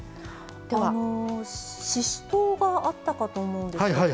あのししとうがあったかと思うんですけど。